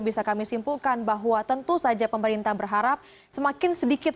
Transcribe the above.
bisa kami simpulkan bahwa tentu saja pemerintah berharap semakin sedikit